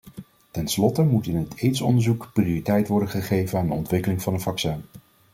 Tenslotte moet in het aids-onderzoek prioriteit worden gegeven aan de ontwikkeling van een vaccin.